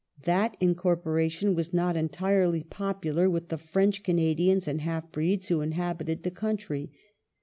That incorporation was not entirely popular with the French Canadians and half breeds who inhabited the country.